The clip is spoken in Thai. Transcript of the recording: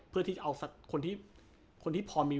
เพื่อที่เอาคนที่พอมี